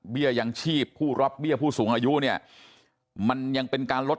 ยังชีพผู้รับเบี้ยผู้สูงอายุเนี่ยมันยังเป็นการลด